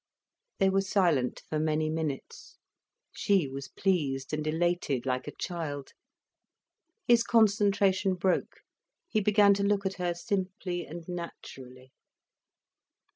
They were silent for many minutes, she was pleased and elated like a child. His concentration broke, he began to look at her simply and naturally.